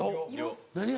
何が？